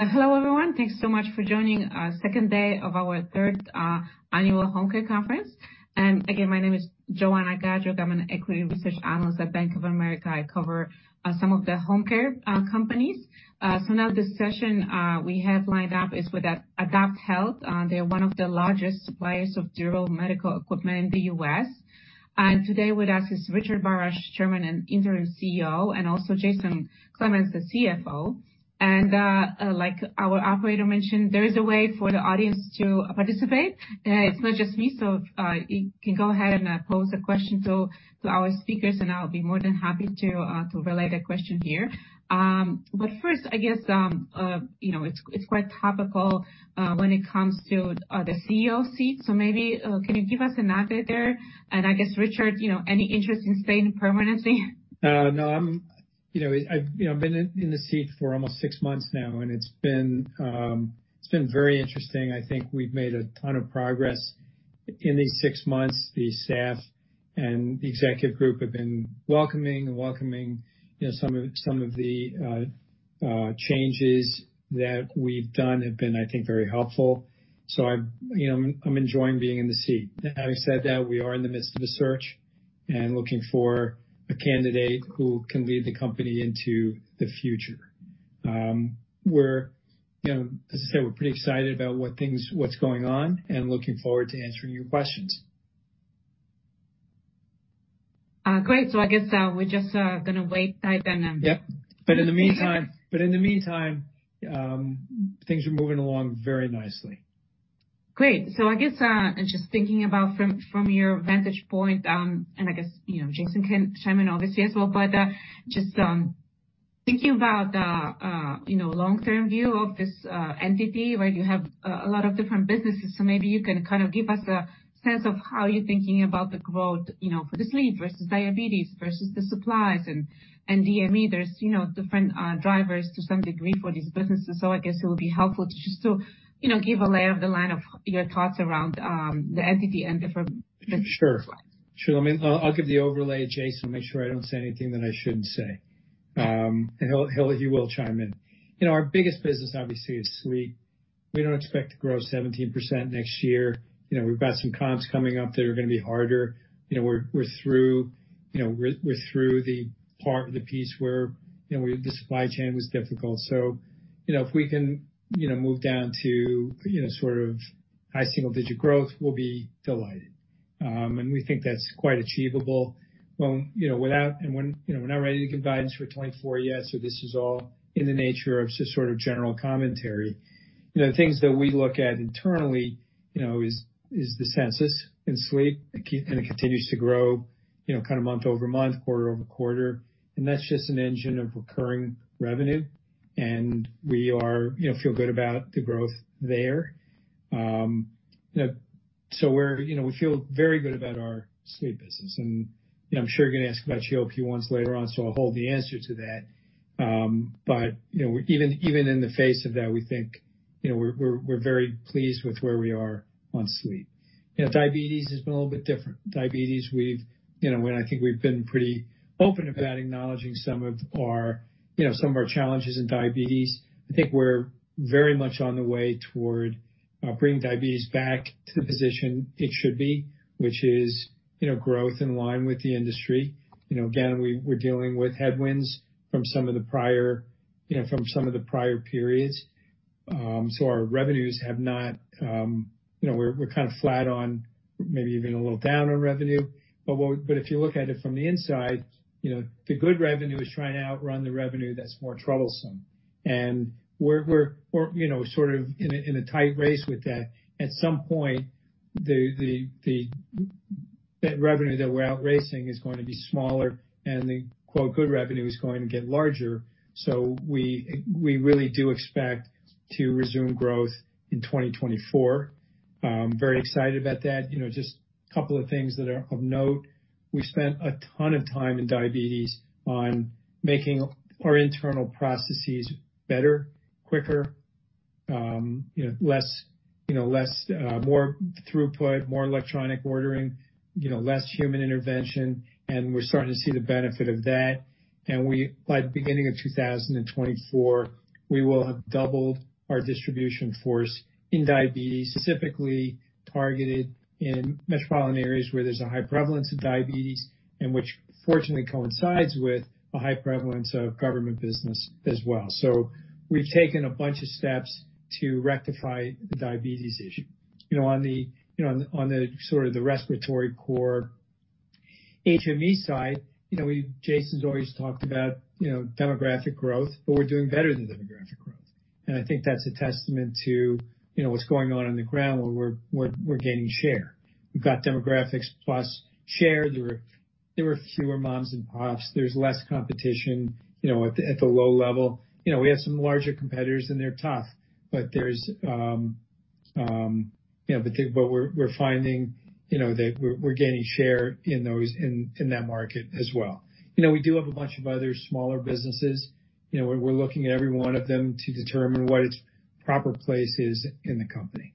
Hello, everyone. Thanks so much for joining our second day of our Third Annual Home Care conference. Again, my name is Joanna Gajuk. I'm an equity research analyst at Bank of America. I cover some of the home care companies. So now this session we have lined up is with AdaptHealth. They're one of the largest suppliers of durable medical equipment in the U.S. And today, with us is Richard Barasch, Chairman and interim CEO, and also Jason Clemens, the CFO. And like our operator mentioned, there is a way for the audience to participate. It's not just me, so you can go ahead and pose a question to our speakers, and I'll be more than happy to relay the question here. But first, I guess, you know, it's quite topical when it comes to the CEO seat, so maybe can you give us an update there? And I guess, Richard, you know, any interest in staying permanently? No, I'm, you know, I've, you know, been in the seat for almost six months now, and it's been, it's been very interesting. I think we've made a ton of progress in these six months. The staff and the executive group have been welcoming, and welcoming, you know, some of, some of the changes that we've done have been, I think, very helpful. So I, you know, I'm enjoying being in the seat. Now, having said that, we are in the midst of a search and looking for a candidate who can lead the company into the future. We're, you know, as I said, we're pretty excited about what's going on, and looking forward to answering your questions. Great. So I guess we're just gonna wait then. Yep. But in the meantime, things are moving along very nicely. Great. So I guess, and just thinking about from your vantage point, and I guess, you know, Jason can chime in obviously as well, but, just thinking about, you know, long-term view of this entity, right? You have a lot of different businesses, so maybe you can kind of give us a sense of how you're thinking about the growth, you know, for the sleep versus diabetes versus the supplies and DME. There's, you know, different drivers to some degree for these businesses, so I guess it would be helpful to just, you know, give a lay of the line of your thoughts around the entity and the different- Sure. I mean, I'll give the overlay to Jason, make sure I don't say anything that I shouldn't say. And he'll chime in. You know, our biggest business obviously is sleep. We don't expect to grow 17% next year. You know, we've got some cons coming up that are gonna be harder. You know, we're through the part, the piece where the supply chain was difficult. So, you know, if we can move down to sort of high single-digit growth, we'll be delighted. And we think that's quite achievable. Well, you know, without... And when, you know, we're not ready to give guidance for 2024 yet, so this is all in the nature of just sort of general commentary. You know, the things that we look at internally, you know, is the census in sleep, it continues to grow, you know, kind of month-over-month, quarter-over-quarter, and that's just an engine of recurring revenue, and we are, you know, feel good about the growth there. So we're, you know, we feel very good about our sleep business. And, you know, I'm sure you're gonna ask about GLP-1 later on, so I'll hold the answer to that. But, you know, even in the face of that, we think, you know, we're very pleased with where we are on sleep. You know, diabetes has been a little bit different. Diabetes, we've, you know, and I think we've been pretty open about acknowledging some of our, you know, some of our challenges in diabetes. I think we're very much on the way toward bringing diabetes back to the position it should be, which is, you know, growth in line with the industry. You know, again, we're dealing with headwinds from some of the prior, you know, from some of the prior periods. So our revenues have not, you know, we're, we're kind of flat on, maybe even a little down on revenue, but But if you look at it from the inside, you know, the good revenue is trying to outrun the revenue that's more troublesome. And we're, we're, you know, sort of in a tight race with that. At some point, the revenue that we're outracing is going to be smaller, and the, quote, "good revenue" is going to get larger. So we really do expect to resume growth in 2024. Very excited about that. You know, just a couple of things that are of note, we spent a ton of time in diabetes on making our internal processes better, quicker, you know, less, you know, less, more throughput, more electronic ordering, you know, less human intervention, and we're starting to see the benefit of that. By the beginning of 2024, we will have doubled our distribution force in diabetes, specifically targeted in metropolitan areas where there's a high prevalence of diabetes and which fortunately coincides with a high prevalence of government business as well. So we've taken a bunch of steps to rectify the diabetes issue. You know, on the sort of the respiratory core HME side, you know, we've—Jason's always talked about, you know, demographic growth, but we're doing better than demographic growth. And I think that's a testament to, you know, what's going on on the ground, where we're gaining share. We've got demographics plus share. There were fewer moms and pops. There's less competition, you know, at the low level. You know, we have some larger competitors, and they're tough, but there's, you know, but we're finding, you know, that we're gaining share in those, in that market as well. You know, we do have a bunch of other smaller businesses. You know, we're looking at every one of them to determine what its proper place is in the company.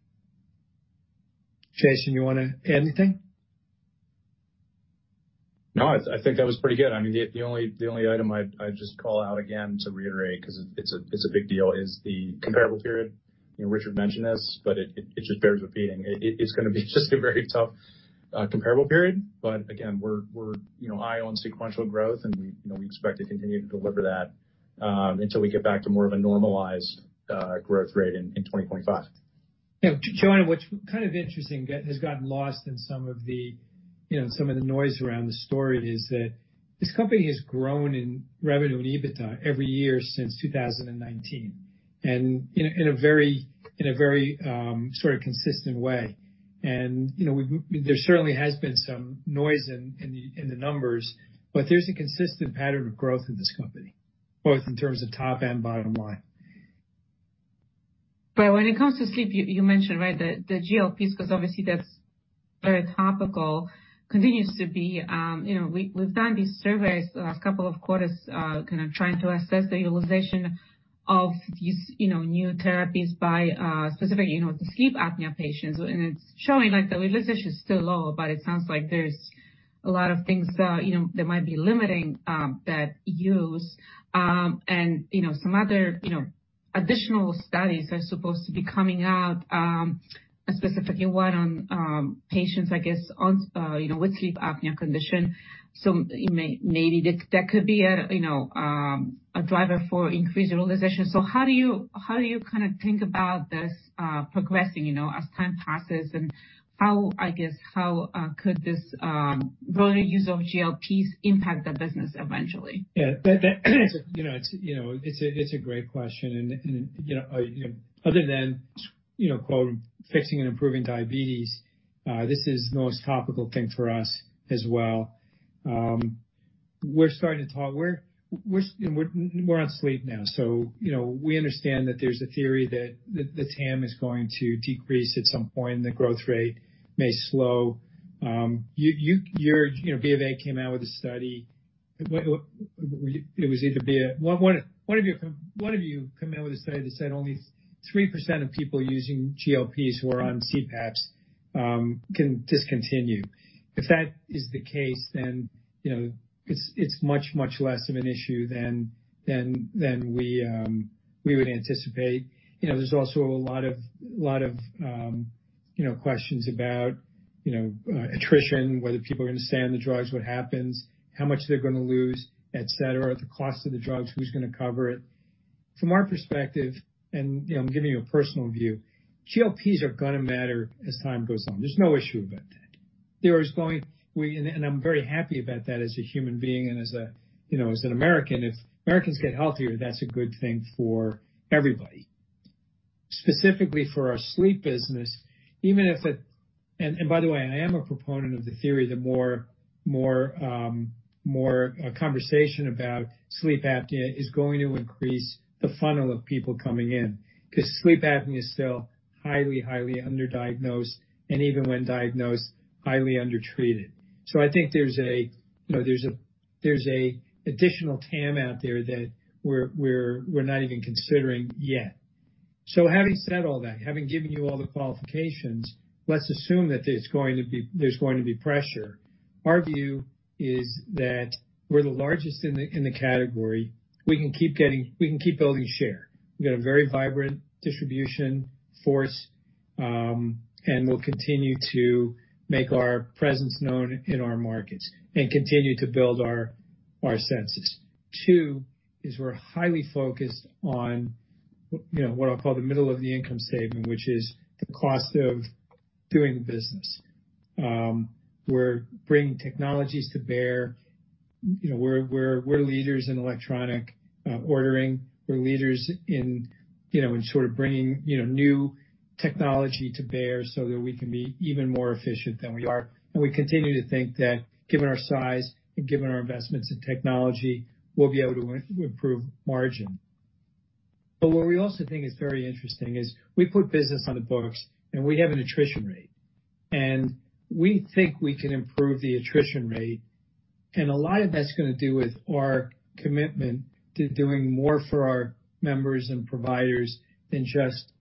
Jason, you want to add anything? No, I think that was pretty good. I mean, the only item I'd just call out again to reiterate, because it's a big deal, is the comparable period. You know, Richard mentioned this, but it just bears repeating. It's gonna be just a very tough comparable period. But again, we're you know high on sequential growth, and we expect to continue to deliver that until we get back to more of a normalized growth rate in 2025. You know, John, what's kind of interesting has gotten lost in some of the, you know, some of the noise around the story is that this company has grown in revenue and EBITDA every year since 2019, and in a very sort of consistent way. And, you know, we, there certainly has been some noise in the numbers, but there's a consistent pattern of growth in this company, both in terms of top and bottom line. But when it comes to sleep, you mentioned, right, the GLPs, because obviously that's very topical, continues to be. You know, we, we've done these surveys the last couple of quarters, kind of trying to assess the utilization of these, you know, new therapies by, specifically, you know, the sleep apnea patients. And it's showing, like, the utilization is still low, but it sounds like there's a lot of things, you know, that might be limiting that use. And, you know, some other, you know, additional studies are supposed to be coming out, specifically one on, patients, I guess, on, you know, with sleep apnea condition. So maybe that could be a, you know, a driver for increased utilization. So how do you, how do you kind of think about this progressing, you know, as time passes, and how, I guess, how could this broader use of GLPs impact the business eventually? Yeah, that, you know, it's, you know, it's a great question, and, you know, other than, you know, quote, fixing and improving diabetes, this is the most topical thing for us as well. We're on sleep now, so, you know, we understand that there's a theory that the TAM is going to decrease at some point, and the growth rate may slow. You know, BA came out with a study. One of you came out with a study that said only 3% of people using GLPs who are on CPAPs can discontinue. If that is the case, then, you know, it's much less of an issue than we would anticipate. You know, there's also a lot of, you know, questions about, you know, attrition, whether people are going to stay on the drugs, what happens, how much they're gonna lose, et cetera, the cost of the drugs, who's gonna cover it. From our perspective, and, you know, I'm giving you a personal view, GLPs are gonna matter as time goes on. There's no issue about that. And, and I'm very happy about that as a human being and as a, you know, as an American. If Americans get healthier, that's a good thing for everybody. Specifically for our sleep business, even if, and by the way, I am a proponent of the theory that more conversation about sleep apnea is going to increase the funnel of people coming in, because sleep apnea is still highly, highly under-diagnosed, and even when diagnosed, highly under-treated. So I think there's a, you know, there's an additional TAM out there that we're not even considering yet. So having said all that, having given you all the qualifications, let's assume that there's going to be pressure. Our view is that we're the largest in the category. We can keep building share. We've got a very vibrant distribution force, and we'll continue to make our presence known in our markets and continue to build our census. Two, is we're highly focused on, you know, what I'll call the middle-of-the-income statement, which is the cost of doing business. We're bringing technologies to bear. You know, we're leaders in electronic ordering. We're leaders in, you know, in sort of bringing, you know, new technology to bear so that we can be even more efficient than we are. And we continue to think that given our size and given our investments in technology, we'll be able to improve margin. But what we also think is very interesting is we put business on the books, and we have an attrition rate, and we think we can improve the attrition rate, and a lot of that's gonna do with our commitment to doing more for our members and providers than just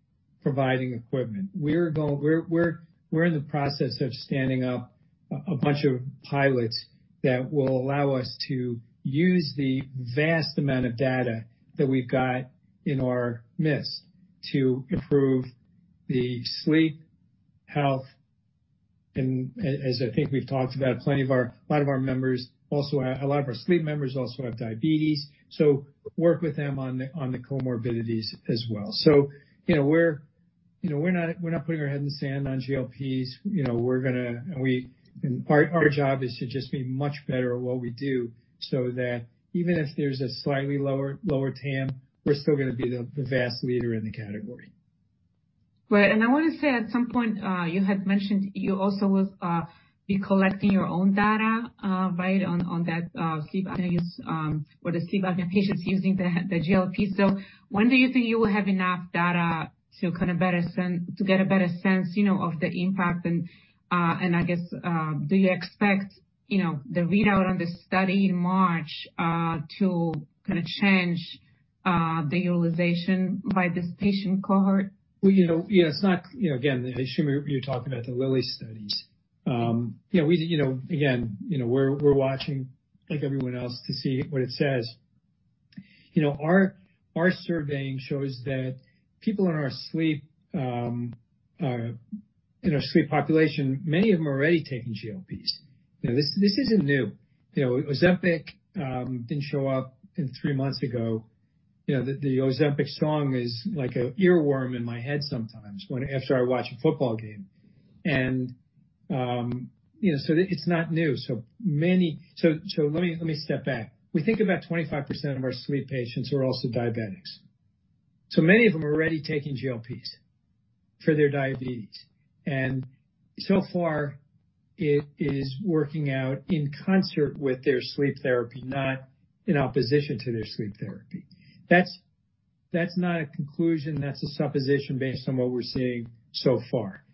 providing equipment. We're in the process of standing up a bunch of pilots that will allow us to use the vast amount of data that we've got in our midst to improve the sleep health, and as I think we've talked about, a lot of our sleep members also have diabetes, so work with them on the comorbidities as well. So, you know, we're not putting our head in the sand on GLPs. You know, we're gonna. Our job is to just be much better at what we do, so that even if there's a slightly lower TAM, we're still gonna be the vast leader in the category. Right. And I want to say, at some point, you had mentioned you also will be collecting your own data, right, on that sleep apnea use, or the sleep apnea patients using the GLP. So when do you think you will have enough data to kind of better sense, to get a better sense, you know, of the impact? And I guess, do you expect, you know, the readout on the study in March to kind of change the utilization by this patient cohort? Well, you know, yes, it's not, you know, again, I assume you're talking about the Lilly studies. Yeah, we, you know, again, you know, we're watching like everyone else to see what it says. You know, our surveying shows that people in our sleep population, many of them are already taking GLPs. You know, this isn't new. You know, Ozempic didn't show up in three months ago. You know, the Ozempic song is like an ear-worm in my head sometimes after I watch a football game. And, you know, so it's not new. So, let me step back. We think about 25% of our sleep patients are also diabetics, so many of them are already taking GLPs for their diabetes. So far, it is working out in concert with their sleep therapy, not in opposition to their sleep therapy. That's, that's not a conclusion. That's a supposition based on what we're seeing so far.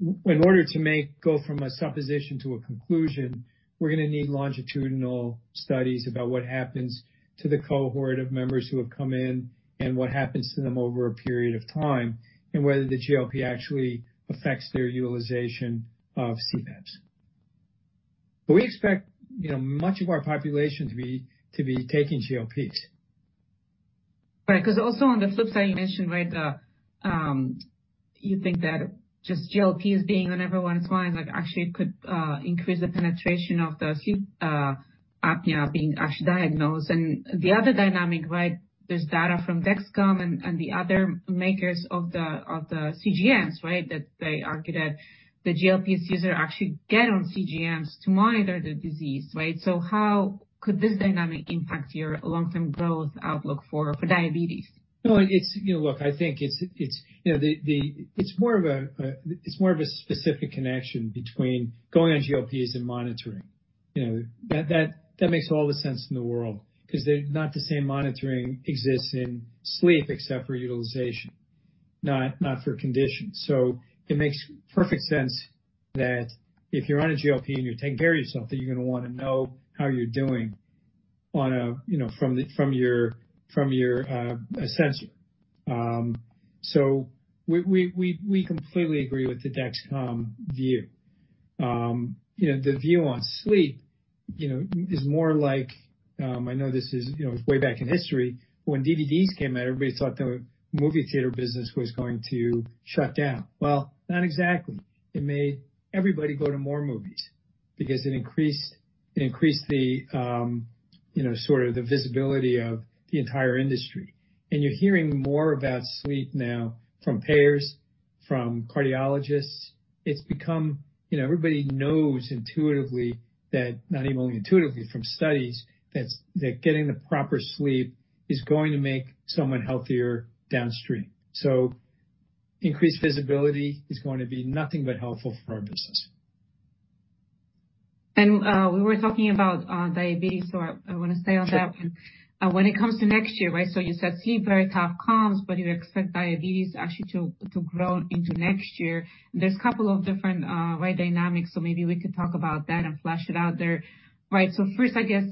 In order to go from a supposition to a conclusion, we're going to need longitudinal studies about what happens to the cohort of members who have come in, and what happens to them over a period of time, and whether the GLP actually affects their utilization of CPAPs. But we expect, you know, much of our population to be, to be taking GLPs. Right. Because also on the flip side, you mentioned, right, the, you think that just GLPs being on everyone's minds, like, actually could increase the penetration of the sleep, you know, being actually diagnosed. And the other dynamic, right, there's data from Dexcom and the other makers of the CGMs, right, that they argue that the GLPs user actually get on CGMs to monitor the disease, right? So how could this dynamic impact your long-term growth outlook for, for diabetes? No, it's, you know, look, I think it's, you know, the, the. It's more of a, it's more of a specific connection between going on GLPs and monitoring. You know, that makes all the sense in the world because they're not the same monitoring exists in sleep, except for utilization, not for conditions. So it makes perfect sense that if you're on a GLP and you're taking care of yourself, that you're going to want to know how you're doing on a, you know, from your sensor. So we completely agree with the Dexcom view. You know, the view on sleep, you know, is more like, I know this is, you know, way back in history, when DVDs came out, everybody thought the movie theater business was going to shut down. Well, not exactly. It made everybody go to more movies because it increased the, you know, sort of the visibility of the entire industry. And you're hearing more about sleep now from payers, from cardiologists. It's become, you know, everybody knows intuitively that, not even only intuitively, from studies, that that getting the proper sleep is going to make someone healthier downstream. So increased visibility is going to be nothing but helpful for our business. We were talking about diabetes, so I want to stay on that one. Sure. When it comes to next year, right? So you said sleep very top comms, but you expect diabetes actually to grow into next year. There's a couple of different, right, dynamics, so maybe we could talk about that and flesh it out there. Right. So first, I guess,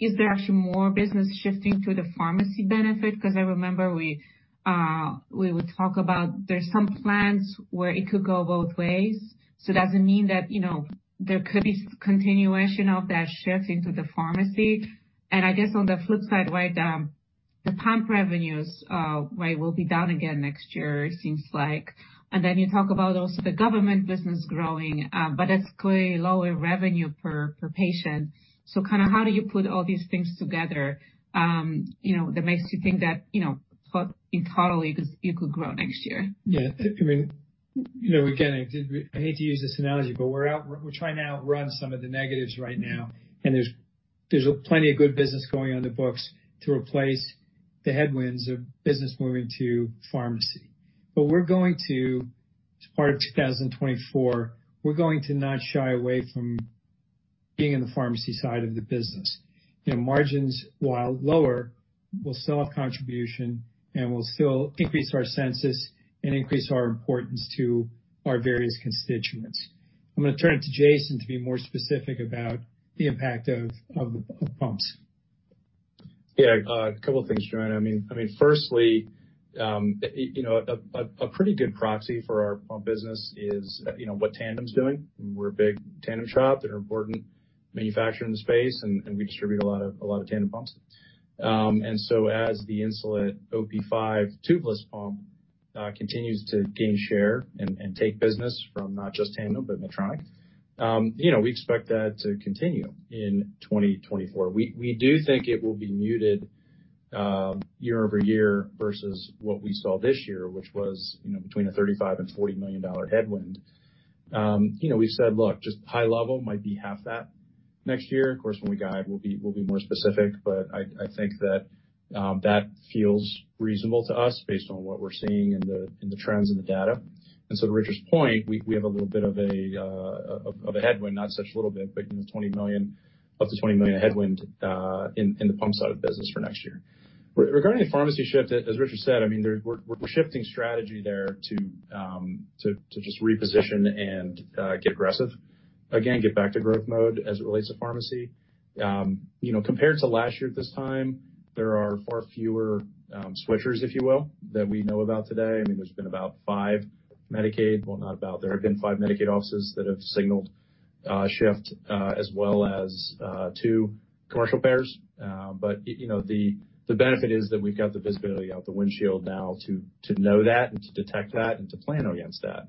is there actually more business shifting to the pharmacy benefit? Because I remember we would talk about there's some plans where it could go both ways. So does it mean that, you know, there could be continuation of that shift into the pharmacy? And I guess on the flip side, right, the pump revenues, right, will be down again next year, it seems like. And then you talk about also the government business growing, but that's clearly lower revenue per patient. So kind of how do you put all these things together, you know, that makes you think that, you know, but in totality, you could, you could grow next year? Yeah. I mean, you know, again, I hate to use this analogy, but we're out, we're trying to outrun some of the negatives right now, and there's plenty of good business going on the books to replace the headwinds of business moving to pharmacy. But we're going to, as part of 2024, we're going to not shy away from being in the pharmacy side of the business. You know, margins, while lower, will still have contribution, and will still increase our census and increase our importance to our various constituents. I'm going to turn it to Jason to be more specific about the impact of pumps. Yeah, a couple of things, Joanna. I mean, I mean, firstly, you know, a pretty good proxy for our pump business is, you know, what Tandem is doing. We're a big Tandem shop. They're an important manufacturer in the space, and, and we distribute a lot of, a lot of Tandem pumps. And so as the Insulet Omnipod 5 tubeless pump continues to gain share and, and take business from not just Tandem, but Medtronic, you know, we expect that to continue in 2024. We, we do think it will be muted, year-over-year versus what we saw this year, which was, you know, between a $35 million and $40 million headwind. You know, we said, look, just high level might be half that next year. Of course, when we guide, we'll be more specific, but I think that feels reasonable to us based on what we're seeing in the trends and the data. And so to Richard's point, we have a little bit of a headwind, not such a little bit, but you know, $20 million, up to $20 million headwind in the pump side of business for next year. Regarding the pharmacy shift, as Richard said, I mean, we're shifting strategy there to just reposition and get aggressive. Again, get back to growth mode as it relates to pharmacy. You know, compared to last year at this time, there are far fewer switchers, if you will, that we know about today. I mean, there's been about five Medicaid. Well, not about, there have been five Medicaid offices that have signaled shift, as well as two commercial payers. But, you know, the benefit is that we've got the visibility out the windshield now to know that, and to detect that, and to plan against that.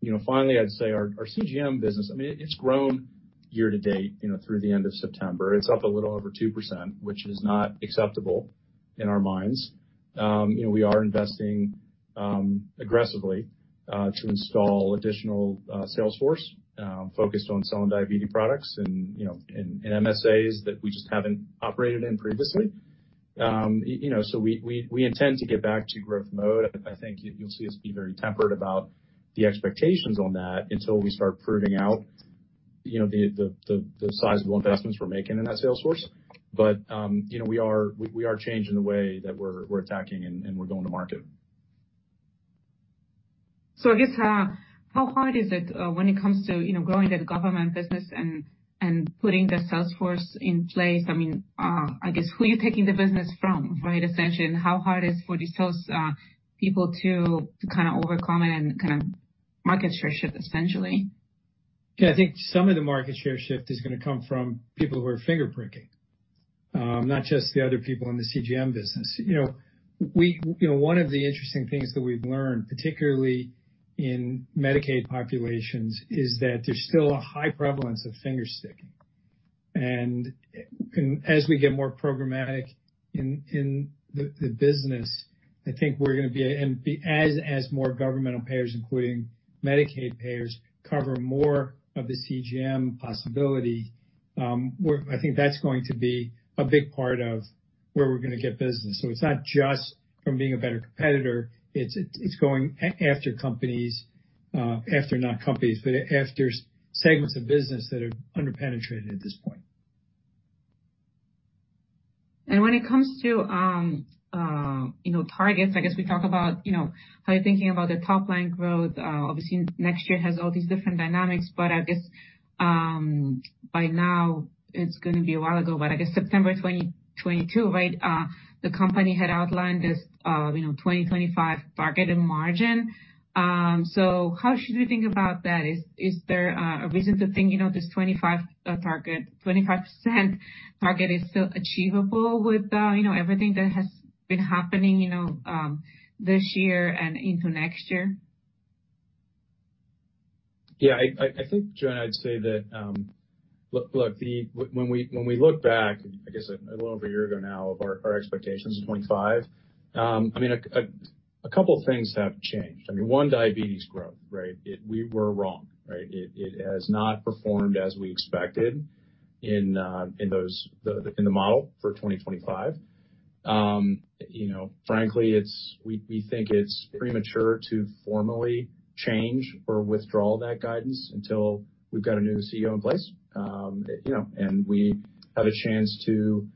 You know, finally, I'd say our CGM business, I mean, it's grown year to date, you know, through the end of September. It's up a little over 2%, which is not acceptable in our minds. You know, we are investing aggressively to install additional sales force focused on selling diabetes products and, you know, in MSAs that we just haven't operated in previously. You know, so we intend to get back to growth mode. I think you'll see us be very tempered about the expectations on that until we start proving out, you know, the sizable investments we're making in that sales force. But, you know, we are changing the way that we're attacking and we're going to market. So I guess, how hard is it, when it comes to, you know, growing the government business and putting the sales force in place? I mean, I guess, who are you taking the business from, right? Essentially, and how hard is it for these sales people to kind of overcome it and kind of market share shift, essentially? Yeah, I think some of the market share shift is gonna come from people who are finger pricking, not just the other people in the CGM business. You know, you know, one of the interesting things that we've learned, particularly in Medicaid populations, is that there's still a high prevalence of finger sticking. And as we get more programmatic in the business, I think we're gonna be... and as more governmental payers, including Medicaid payers, cover more of the CGM possibility, we're I think that's going to be a big part of where we're gonna get business. So it's not just from being a better competitor, it's going after companies, after, not companies, but after segments of business that are under-penetrated at this point. And when it comes to, you know, targets, I guess we talk about, you know, how you're thinking about the top line growth. Obviously, next year has all these different dynamics, but I guess, by now it's gonna be a while ago, but I guess September 2022, right, the company had outlined this, you know, 2025 targeted margin. So how should we think about that? Is there a reason to think, you know, 25% target is still achievable with, you know, everything that has been happening, you know, this year and into next year? Yeah, I think, Joanna, I'd say that, look, when we look back, I guess, a little over a year ago now, our expectations of 2025, I mean, a couple of things have changed. I mean, one, diabetes growth, right? We were wrong, right? It has not performed as we expected in the model for 2025. You know, frankly, we think it's premature to formally change or withdraw that guidance until we've got a new CEO in place. You know, and we have a chance to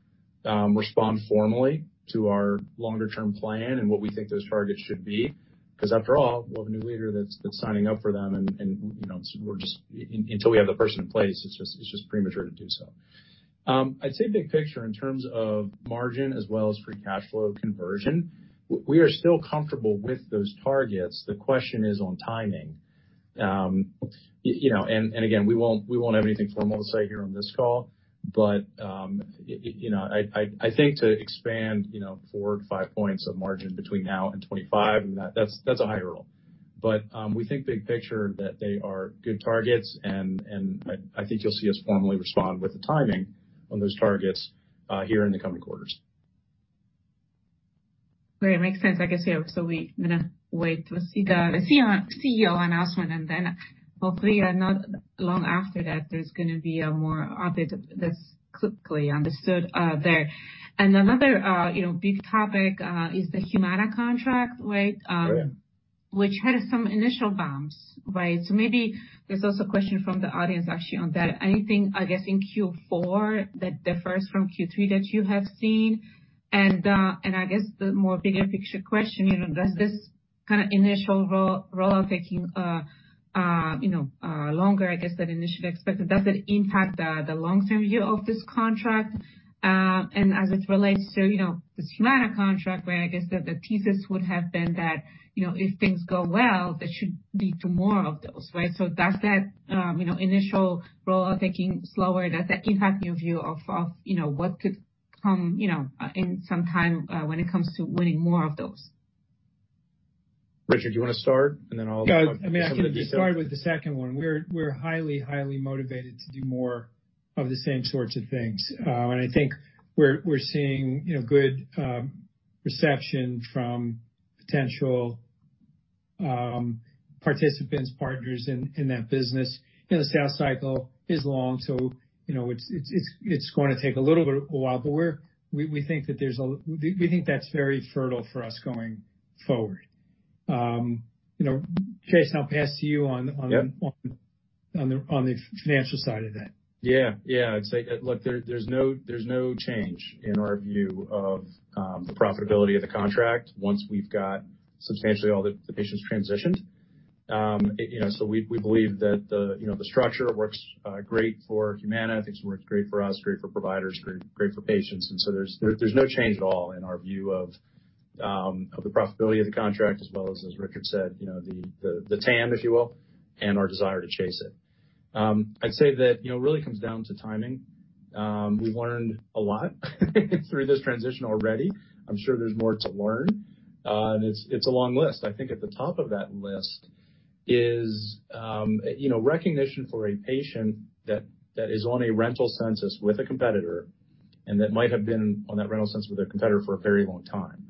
respond formally to our longer term plan and what we think those targets should be, because after all, we'll have a new leader that's signing up for them, and you know, we're just... Until we have the person in place, it's just, it's just premature to do so. I'd say big picture in terms of margin as well as free cash flow conversion, we are still comfortable with those targets. The question is on timing. You know, and again, we won't have anything formal to say here on this call, but, you know, I think to expand, you know, four to five points of margin between now and 2025, and that's a high roll. But, we think big picture that they are good targets, and I think you'll see us formally respond with the timing on those targets, here in the coming quarters. Great. It makes sense. I guess, yeah, so we're gonna wait to see the CEO announcement, and then hopefully, not long after that, there's gonna be a more update that's quickly understood, there. And another, you know, big topic is the Humana contract, right? Which had some initial bumps, right? So maybe there's also a question from the audience, actually, on that. Anything, I guess, in Q4 that differs from Q3 that you have seen? And I guess the bigger picture question, you know, does this kind of initial roll-out taking, you know, longer, I guess, than initially expected, does it impact the long-term view of this contract? And as it relates to, you know, this Humana contract, where I guess the thesis would have been that, you know, if things go well, that should lead to more of those, right? So does that, you know, initial roll-out taking slower, does that impact your view of, you know, what could come, you know, in some time, when it comes to winning more of those? Richard, do you wanna start? And then I'll- Yeah. I mean, I can just start with the second one. We're highly motivated to do more of the same sorts of things. And I think we're seeing, you know, good reception from potential participants, partners in that business. You know, the sales cycle is long, so you know, it's going to take a little bit a while, but we think that there's a... We think that's very fertile for us going forward. You know, Jason, and I'll pass to you on the the financial side of then. Yeah. Yeah. I'd say, look, there, there's no change in our view of the profitability of the contract once we've got substantially all the patients transitioned. You know, so we believe that the structure works great for Humana. I think it works great for us, great for providers, great for patients. And so there's no change at all in our view of the profitability of the contract, as well as, as Richard said, you know, the TAM, if you will, and our desire to chase it. I'd say that, you know, it really comes down to timing. We've learned a lot through this transition already. I'm sure there's more to learn, and it's a long list. I think at the top of that list is, you know, recognition for a patient that is on a rental census with a competitor, and that might have been on that rental census with a competitor for a very long time.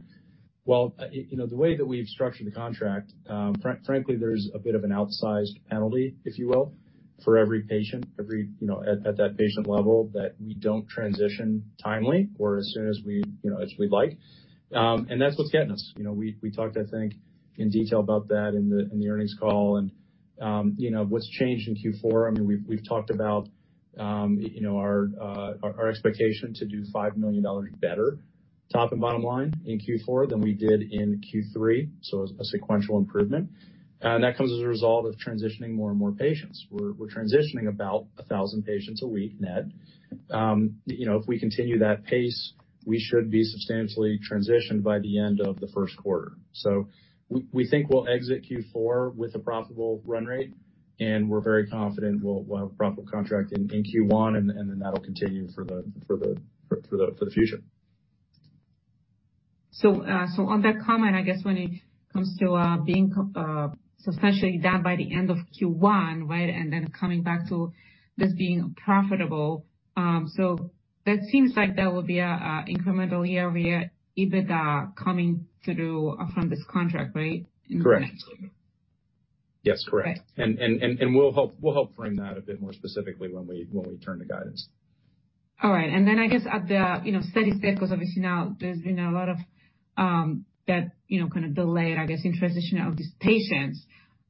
Well, you know, the way that we've structured the contract, frankly, there's a bit of an outsized penalty, if you will, for every patient, you know, at that patient level, that we don't transition timely or as soon as we, you know, as we'd like. And that's what's getting us. You know, we, we talked, I think, in detail about that in the, in the earnings call, and you know, what's changed in Q4, I mean, we've, we've talked about, you know, our, our expectation to do $5 million better, top and bottom line, in Q4 than we did in Q3, so a sequential improvement. That comes as a result of transitioning more and more patients. We're, we're transitioning about 1,000 patients a week, net. You know, if we continue that pace, we should be substantially transitioned by the end of the first quarter. We think we'll exit Q4 with a profitable run rate, and we're very confident we'll, we'll have a profitable contract in Q1, and then, and then that'll continue for the future. So on that comment, I guess when it comes to being substantially down by the end of Q1, right? And then coming back to this being profitable, so that seems like there will be a incremental year-over-year EBITDA coming through from this contract, right? Correct. Yes, correct. Right. And we'll help frame that a bit more specifically when we turn to guidance. All right. And then I guess at the, you know, steady state, because obviously now there's been a lot of, that, you know, kind of delayed, I guess, in transition of these patients.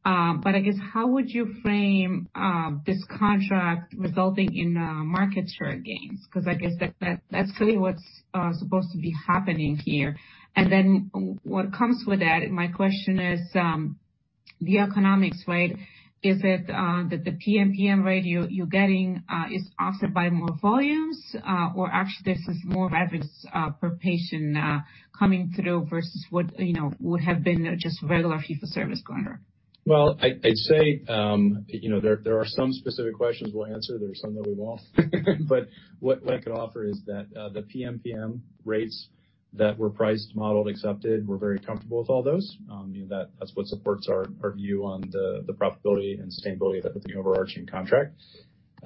But I guess, how would you frame, this contract resulting in, market share gains? Because I guess that, that's clearly what's supposed to be happening here. And then what comes with that, my question is, the economics, right? Is it, that the PMPM rate you're getting, is offset by more volumes, or actually this is more revenues, per patient, coming through versus what, you know, would have been just regular fee for service going on? Well, I'd say, you know, there are some specific questions we'll answer, there are some that we won't. But what I could offer is that, the PMPM rates that were priced, modeled, accepted, we're very comfortable with all those. You know, that's what supports our view on the profitability and sustainability of the overarching contract.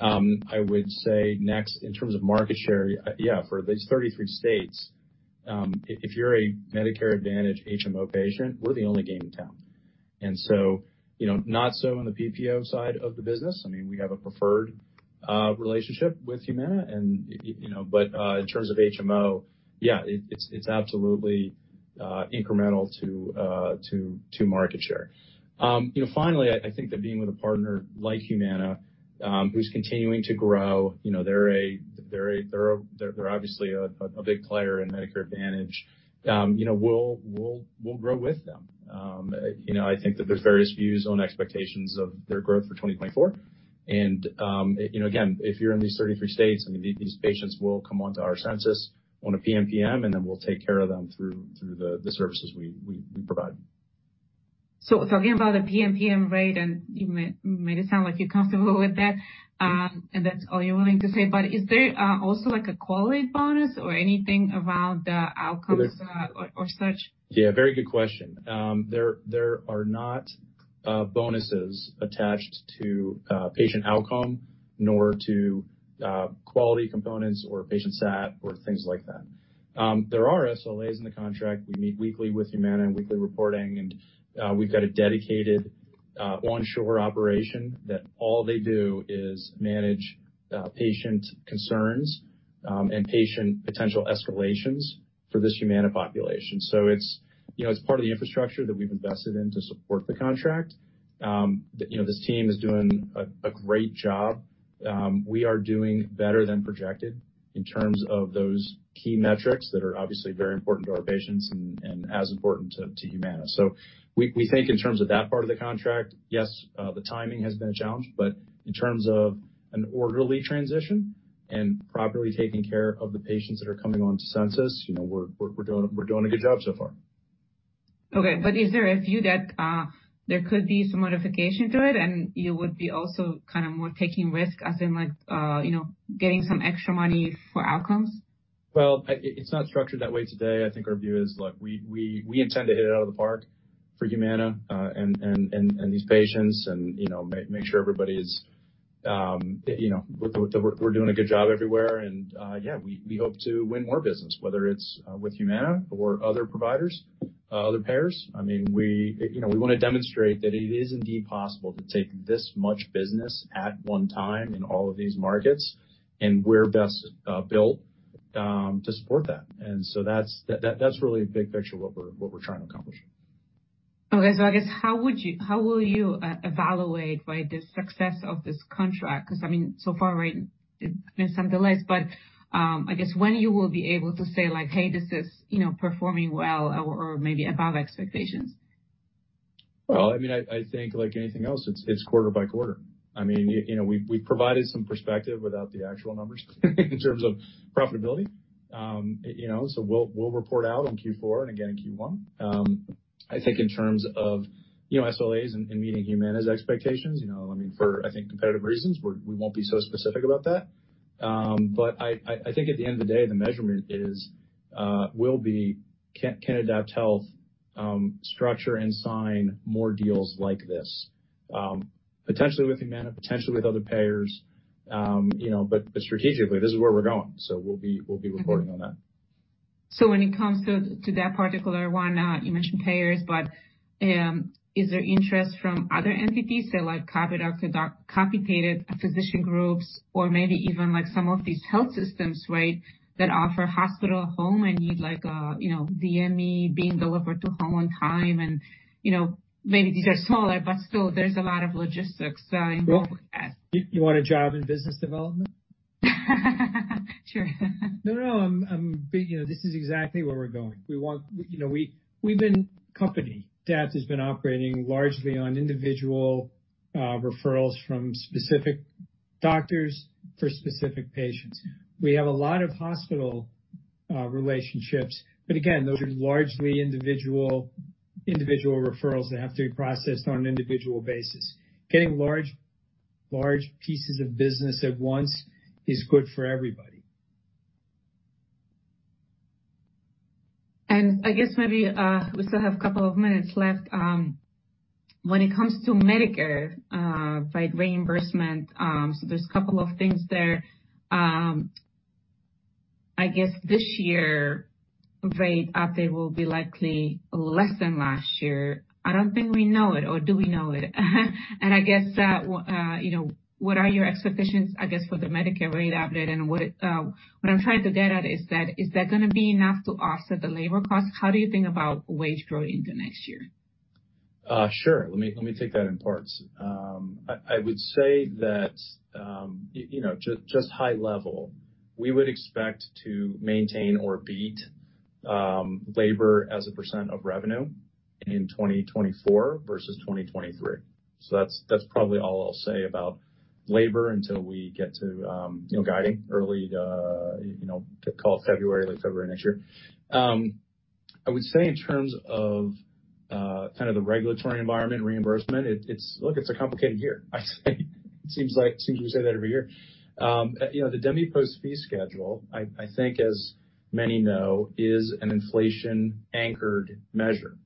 I would say next, in terms of market share, yeah, for these 33 states, if you're a Medicare Advantage HMO patient, we're the only game in town. And so, you know, not so on the PPO side of the business. I mean, we have a preferred relationship with Humana and, you know... But, in terms of HMO, yeah, it's absolutely incremental to market share. You know, finally, I think that being with a partner like Humana, who's continuing to grow, you know, they're obviously a big player in Medicare Advantage, you know, we'll grow with them. You know, I think that there's various views on expectations of their growth for 2024. And, you know, again, if you're in these 33 states, I mean, these patients will come onto our census on a PMPM, and then we'll take care of them through the services we provide. So again, about the PMPM rate, and you made it sound like you're comfortable with that, and that's all you're willing to say. But is there also, like, a quality bonus or anything around the outcomes, or such? Yeah, very good question. There are not bonuses attached to patient outcome nor to quality components or patient sat or things like that. There are SLAs in the contract. We meet weekly with Humana and weekly reporting, and we've got a dedicated onshore operation that all they do is manage patient concerns and patient potential escalations for this Humana population. So it's, you know, it's part of the infrastructure that we've invested in to support the contract. You know, this team is doing a great job. We are doing better than projected in terms of those key metrics that are obviously very important to our patients and as important to Humana. We think in terms of that part of the contract, yes, the timing has been a challenge, but in terms of an orderly transition and properly taking care of the patients that are coming onto census, you know, we're doing a good job so far. Okay. But is there a view that there could be some modification to it, and you would be also kind of more taking risk as in, like, you know, getting some extra money for outcomes? Well, it's not structured that way today. I think our view is, look, we intend to hit it out of the park for Humana, and these patients and, you know, make sure everybody is, you know, we're doing a good job everywhere. And, yeah, we hope to win more business, whether it's with Humana or other providers, other payers. I mean, we, you know, we want to demonstrate that it is indeed possible to take this much business at one time in all of these markets, and we're best built to support that. And so that's. That, that's really a big picture of what we're trying to accomplish. Okay. So I guess, how will you evaluate, right, the success of this contract? Because, I mean, so far, right, it's on the list, but, I guess when you will be able to say, like, "Hey, this is, you know, performing well, or maybe above expectations? Well, I mean, I think like anything else, it's quarter by quarter. I mean, you know, we've provided some perspective without the actual numbers in terms of profitability. You know, so we'll report out in Q4, and again in Q1. I think in terms of, you know, SLAs and meeting Humana's expectations, you know, I mean, for, I think, competitive reasons, we're not going to be so specific about that. But I think at the end of the day, the measurement will be, can AdaptHealth structure and sign more deals like this? Potentially with Humana, potentially with other payers, you know, but strategically, this is where we're going, so we'll be reporting on that. So when it comes to that particular one, you mentioned payers, but is there interest from other entities, so like complicated physician groups or maybe even, like, some of these health systems, right, that offer hospital at home and need like a, you know, DME being delivered to home on time and, you know, maybe these are smaller, but still, there's a lot of logistics, so I know- You, you want a job in business development? Sure. No, no, I'm big. You know, this is exactly where we're going. We want. You know, we've been—company, Adapt, has been operating largely on individual referrals from specific doctors for specific patients. We have a lot of hospital relationships, but again, those are largely individual, individual referrals that have to be processed on an individual basis. Getting large, large pieces of business at once is good for everybody. I guess maybe we still have a couple of minutes left. When it comes to Medicare by reimbursement, so there's a couple of things there. I guess this year rate update will be likely less than last year. I don't think we know it, or do we know it? And I guess you know what are your expectations, I guess, for the Medicare rate update, and what what I'm trying to get at is that, is that gonna be enough to offset the labor costs? How do you think about wage growth into next year? Sure. Let me take that in parts. I would say that, you know, just high level, we would expect to maintain or beat labor as a % of revenue in 2024 versus 2023. So that's probably all I'll say about labor until we get to, you know, guiding early, you know, call it February, late February next year. I would say in terms of kind of the regulatory environment, reimbursement, it's—look, it's a complicated year. I say, it seems like we say that every year. You know, the DMEPOS Fee Schedule, I think, as many know, is an inflation-anchored measure.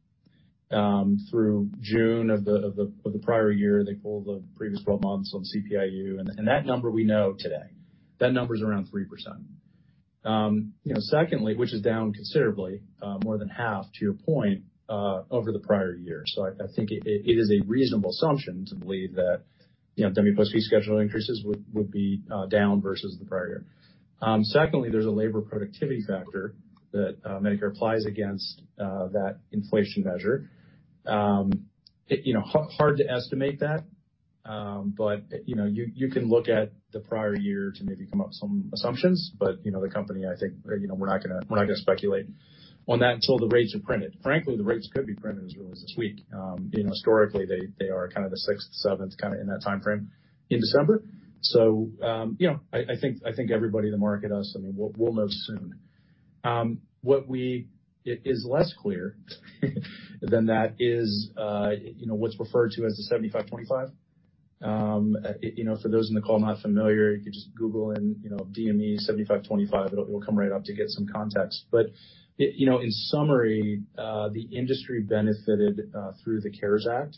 Through June of the prior year, they pulled the previous 12 months on CPI-U, and that number we know today. That number's around 3%. You know, secondly, which is down considerably, more than half to your point, over the prior year. So I think it is a reasonable assumption to believe that, you know, DMEPOS Fee Schedule increases would be down versus the prior year. Secondly, there's a labor productivity factor that Medicare applies against that inflation measure. It, you know, hard to estimate that, but, you know, you can look at the prior year to maybe come up with some assumptions, but, you know, the company, I think, you know, we're not gonna, we're not gonna speculate on that until the rates are printed. Frankly, the rates could be printed as early as this week. You know, historically, they are kind of the sixth, seventh, kind of in that timeframe in December. So, you know, I think everybody in the market knows, I mean, we'll, we'll know soon. It is less clear than that is, you know, what's referred to as the 75/25. You know, for those in the call not familiar, you could just Google and, you know, DME 75/25, it'll, it'll come right up to get some context. But, you know, in summary, the industry benefited through the CARES Act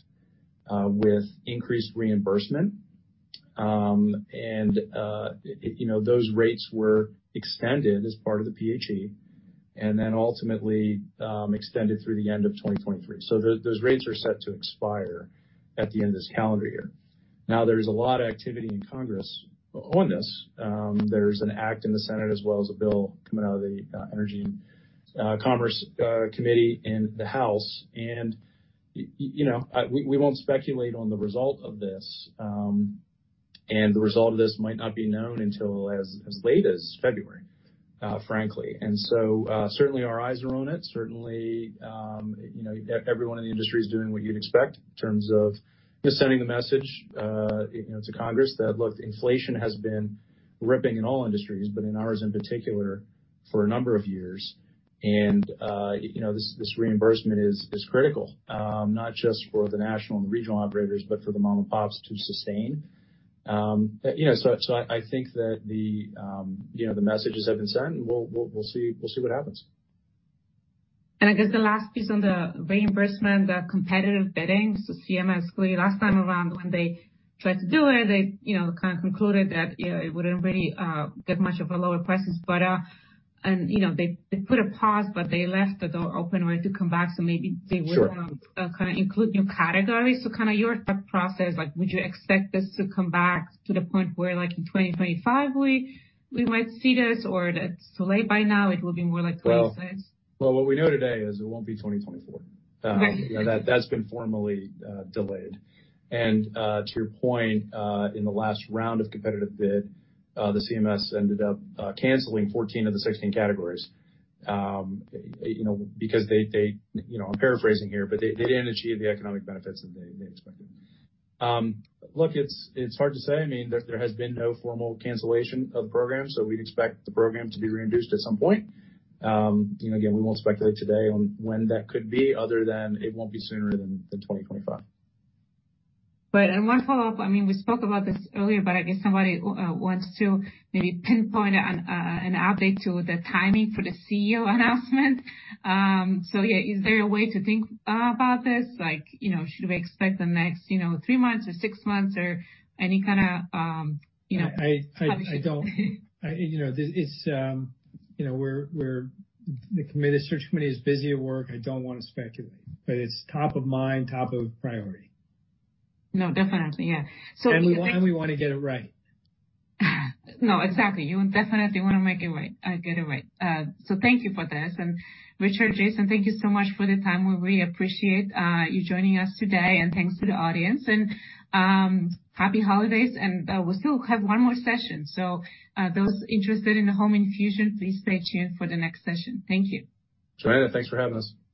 with increased reimbursement. And, it, you know, those rates were extended as part of the PHE, and then ultimately, extended through the end of 2023. So those, those rates are set to expire at the end of this calendar year. Now, there's a lot of activity in Congress on this. There's an act in the Senate, as well as a bill coming out of the Energy and Commerce Committee in the House, and you know, we won't speculate on the result of this, and the result of this might not be known until as late as February, frankly. And so, certainly our eyes are on it. Certainly, you know, everyone in the industry is doing what you'd expect in terms of just sending the message, you know, to Congress, that look, inflation has been ripping in all industries, but in ours, in particular, for a number of years, and you know, this reimbursement is critical, not just for the national and the regional operators, but for the mom-and-pops to sustain. You know, so I think that the, you know, the messages have been sent, and we'll see what happens. I guess the last piece on the reimbursement, the competitive bidding, so CMS, last time around, when they tried to do it, they, you know, kind of concluded that, you know, it wouldn't really get much of a lower prices, but, and, you know, they, they put a pause, but they left the door open where to come back, so maybe they were- Sure. Gonna kind of include new categories. So kind of your thought process, like, would you expect this to come back to the point where, like, in 2025, we, we might see this, or it's so late by now, it will be more like 2026? Well, what we know today is it won't be 2024. That, that's been formally delayed. And, to your point, in the last round of competitive bid, the CMS ended up canceling 14 of the 16 categories. You know, because they didn't achieve the economic benefits that they expected. Look, it's hard to say. I mean, there has been no formal cancellation of the program, so we'd expect the program to be reintroduced at some point. You know, again, we won't speculate today on when that could be, other than it won't be sooner than 2025. But I want to follow up, I mean, we spoke about this earlier, but I guess somebody wants to maybe pinpoint an update to the timing for the CEO announcement. So, yeah, is there a way to think about this? Like, you know, should we expect the next, you know, three months or six months or any kind of, you know- I don't... you know, it's, you know, we're the search committee is busy at work. I don't want to speculate, but it's top of mind, top of priority. No, definitely. Yeah. So- We want to get it right. No, exactly. You definitely want to make it right, get it right. So thank you for this. And Richard, Jason, thank you so much for the time. We really appreciate you joining us today, and thanks to the audience. And happy holidays, and we still have one more session, so those interested in the home infusion, please stay tuned for the next session. Thank you. Joanna, thanks for having us.